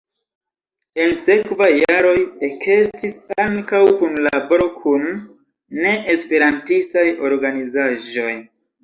En sekvaj jaroj ekestis ankaŭ kunlaboro kun ne-esperantistaj organizaĵoj.